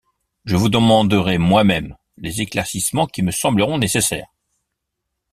Je vous demanderai moi-même les éclaircissements qui me sembleront nécessaires.